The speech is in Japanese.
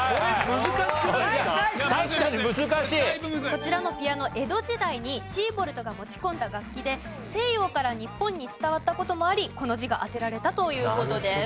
こちらのピアノ江戸時代にシーボルトが持ち込んだ楽器で西洋から日本に伝わった事もありこの字が当てられたという事です。